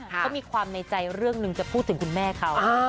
เขามีความในใจเรื่องหนึ่งจะพูดถึงคุณแม่เขา